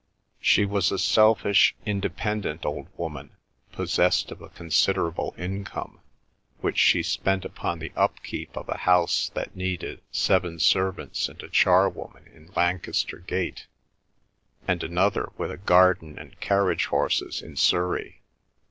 She was a selfish, independent old woman, possessed of a considerable income, which she spent upon the upkeep of a house that needed seven servants and a charwoman in Lancaster Gate, and another with a garden and carriage horses in Surrey.